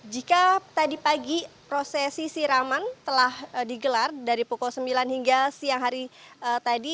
jika tadi pagi prosesi siraman telah digelar dari pukul sembilan hingga siang hari tadi